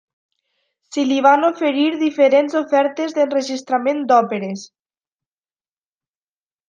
Si li van oferir diferents ofertes d'enregistrament d'òperes.